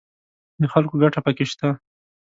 د خلکو ګټه پکې شته